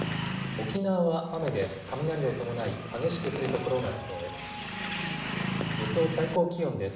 沖縄は雨で雷を伴い激しく降る所がありそうです。